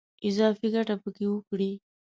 اضافي ګټه په کې وکړي.